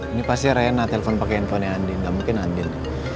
ini pasti rena telepon pake handphone nya andien gak mungkin andien